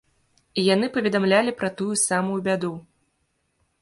Яны паведамлялі пра тую самую бяду.